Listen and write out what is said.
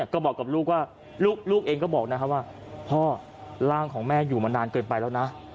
ก็บอกกับลูกว่าลูกเองก็บอกนะครับว่าพ่อร่างของแม่อยู่มานานเกินไปแล้วนะ